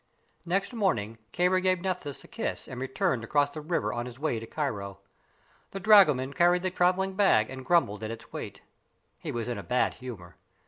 Next morning Kāra gave Nephthys a kiss and returned across the river on his way to Cairo. The dragoman carried the traveling bag and grumbled at its weight. He was in a bad humor.